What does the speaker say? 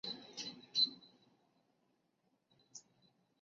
粗裂复叶耳蕨为鳞毛蕨科复叶耳蕨属下的一个种。